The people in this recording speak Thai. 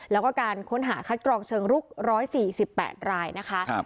แล้วก็การค้นหาคัดกรองเชิงลุก๑๔๘รายนะคะ